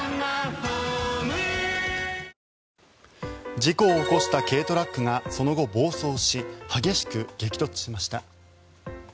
事故を起こした軽トラックがその後、暴走し激しく激突しました。